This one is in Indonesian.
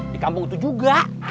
di kampung itu juga